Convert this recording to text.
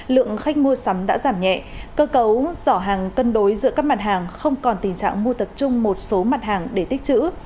lượng khách mua sắm đã giảm nhẹ cơ cấu giỏ hàng cân đối giữa các mặt hàng không còn tình trạng mua tập trung một số mặt hàng để tích chữ